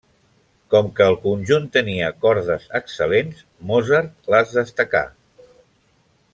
Com que el conjunt tenia cordes excel·lents, Mozart les destacà.